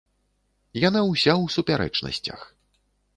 Яна ўся ў супярэчнасцях.